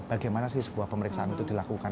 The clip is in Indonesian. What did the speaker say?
bagaimana sih sebuah pemeriksaan itu dilakukan